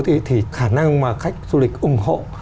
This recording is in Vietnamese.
thì khả năng mà khách du lịch ủng hộ